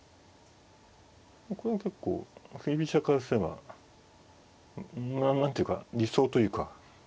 これは結構振り飛車からすれば何ていうか理想というか。